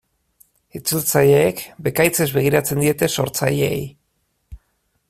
Itzultzaileek bekaitzez begiratzen diete sortzaileei.